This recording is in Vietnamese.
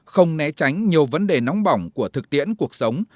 không né tránh nhiều vấn đề nóng bỏng của thực tiễn cuộc sống